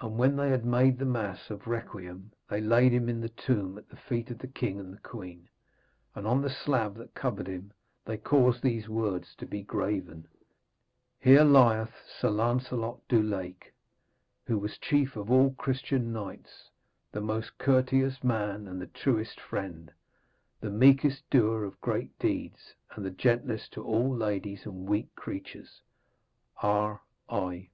And when they had made the mass of requiem, they laid him in the tomb at the feet of the king and the queen, and on the slab that covered him they caused these words to be graven: HERE LIETH SIR LANCELOT DU LAKE WHO WAS CHIEF OF ALL CHRISTIAN KNIGHTS; THE MOST COURTEOUS MAN AND THE TRUEST FRIEND, THE MEEKEST DOER OF GREAT DEEDS, AND THE GENTLEST TO ALL LADIES AND WEAK CREATURES. R. I.